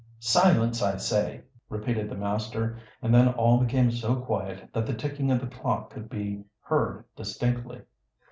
"Silence, I say!" repeated the master, and then all became so quiet that the ticking of the clock could be heard distinctly.